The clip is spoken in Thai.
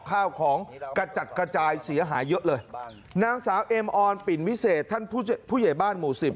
ข้าวของกระจัดกระจายเสียหายเยอะเลยนางสาวเอ็มออนปิ่นวิเศษท่านผู้ผู้ใหญ่บ้านหมู่สิบ